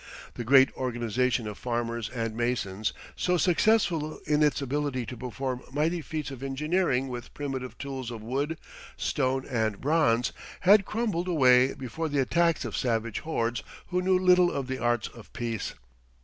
The great organization of farmers and masons, so successful in its ability to perform mighty feats of engineering with primitive tools of wood, stone, and bronze, had crumbled away before the attacks of savage hordes who knew little of the arts of peace.